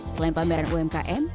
selain pameran umkm